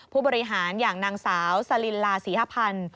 ผู้บริหารอย่างนางสาวสลินลาศรีฮพันธ์